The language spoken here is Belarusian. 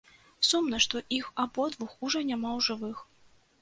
Сумна, што іх абодвух ужо няма ў жывых.